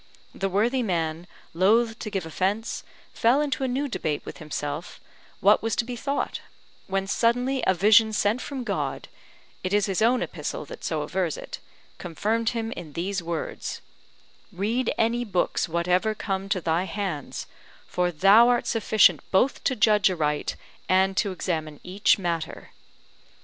The worthy man, loath to give offence, fell into a new debate with himself what was to be thought; when suddenly a vision sent from God (it is his own epistle that so avers it) confirmed him in these words: READ ANY BOOKS WHATEVER COME TO THY HANDS, FOR THOU ART SUFFICIENT BOTH TO JUDGE ARIGHT AND TO EXAMINE EACH MATTER.